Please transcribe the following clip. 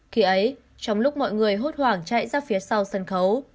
khi ấy trong lúc mọi người hốt hoảng chạy ra phía sau sân khấu